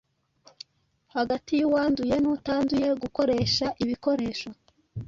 hagati y’uwanduye n’utanduye, gukoresha ibikoresho